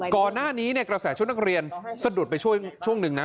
ก่อนหน้านี้กระแสชุดนักเรียนสะดุดไปช่วงหนึ่งนะ